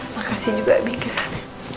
makasih juga bikin